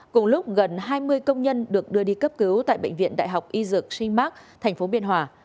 cùng lúc gần hai mươi công nhân được đưa đi cấp cứu tại bệnh viện đại học y dược sinh mạc thành phố biên hòa